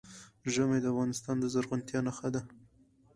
ژمی د افغانستان د زرغونتیا نښه ده.